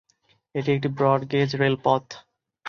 এটি একটি ব্রড-গেজ রেলপথ।